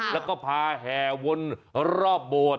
แล้วก็พาแหววนรอบบวช